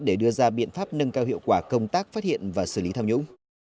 để đưa ra biện pháp nâng cao hiệu quả công tác phát hiện và xử lý tham nhũng